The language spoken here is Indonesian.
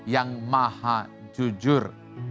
yang maha jujur